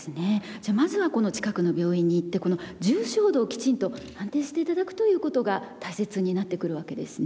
じゃまずは近くの病院に行って重症度をきちんと判定して頂くということが大切になってくるわけですね。